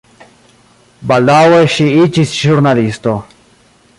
Baldaŭe ŝi iĝis ĵurnalisto.